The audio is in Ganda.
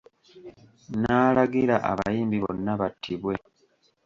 N'alagira abayimbi bonna battibwe.